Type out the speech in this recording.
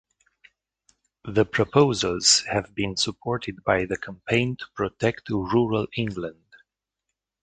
The proposals have been supported by the Campaign to Protect Rural England.